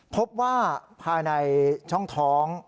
พบว่าภายในช่องท้อง